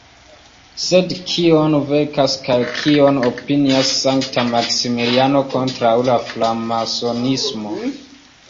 Sed kion verkas kaj kion opinias sankta Maksimiliano kontraŭ la Framasonismo?